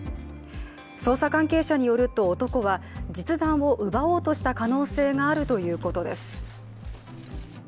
捜査関係者によると男は実弾を奪おうとした可能性があるということです。